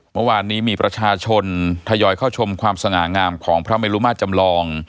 เมื่อวานนี้มีประชาชนทยอยเข้าชมความสง่างามของพระเมลุมาตรจำลอง